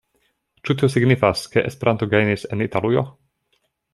Ĉu tio signifas, ke Esperanto gajnis en Italujo?